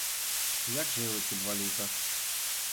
Як жили ті два літа?